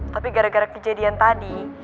tapi gara gara kejadian tadi